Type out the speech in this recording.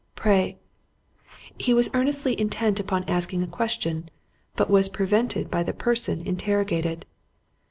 Pray,"— He was earnestly intent upon asking a question, but was prevented by the person interrogated.